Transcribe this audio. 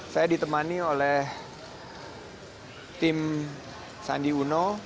saya ditemani oleh tim sandi uno